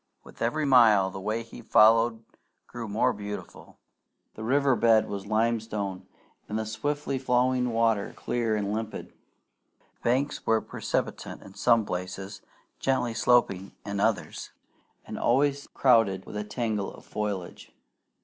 With every mile the way he followed grew more beautiful. The river bed was limestone, and the swiftly flowing water, clear and limpid. The banks were precipitate in some places, gently sloping in others, and always crowded with a tangle of foliage.